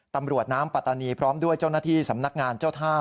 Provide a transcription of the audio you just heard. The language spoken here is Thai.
ตำรวจน้ำปัตตานีพร้อมด้วยเจ้าหน้าที่สำนักงานเจ้าท่า